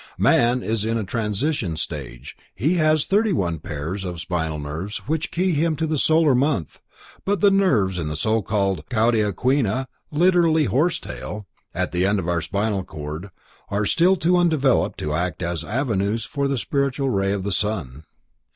Man is in a transition stage, he has 31 pairs of spinal nerves which keys him to the solar month, but the nerves in the so called cauda equina—literally horse tail—, at the end of our spinal cord, are still too undeveloped to act as avenues for the spiritual ray of the sun.